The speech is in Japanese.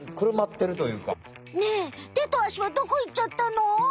ねえ手とあしはどこいっちゃったの？